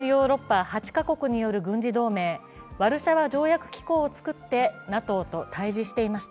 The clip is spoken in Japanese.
一方のソ連側も、１９５５年、東ヨーロッパ８か国による軍事同盟、ワルシャワ条約機構をつくってＮＡＴＯと対峙していました。